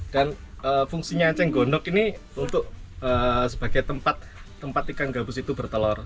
dan fungsinya encing godok ini untuk sebagai tempat ikan gabus itu bertelur